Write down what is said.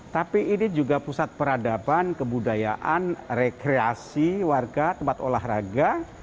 tapi ini juga pusat peradaban kebudayaan rekreasi warga tempat olahraga